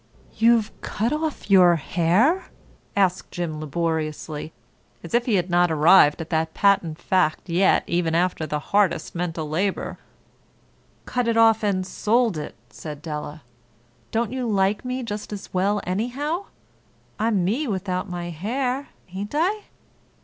"You've cut off your hair?" asked Jim, laboriously, as if he had not arrived at that patent fact yet even after the hardest mental labor. "Cut it off and sold it," said Della. "Don't you like me just as well, anyhow? I'm me without my hair, ain't I?"